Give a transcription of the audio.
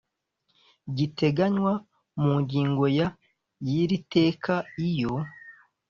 giteganywa mu ngingo ya y iri teka iyo